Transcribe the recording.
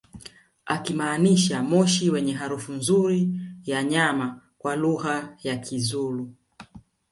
akimaanisha moshi wenye harufu nzuri ya nyama kwa lugha ya kizulu